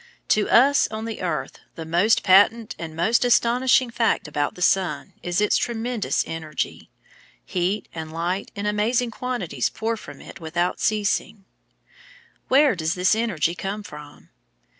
To us on the earth the most patent and most astonishing fact about the sun is its tremendous energy. Heat and light in amazing quantities pour from it without ceasing. Where does this energy come from?